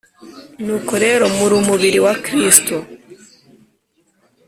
Nuko rero muri umubiri wa Kristo